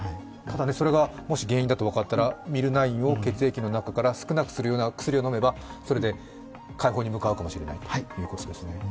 それがもし原因だと分かったら、ミルナインを血液の中から少なくするような薬を飲めばそれで快方に向かうかもしれないということですね。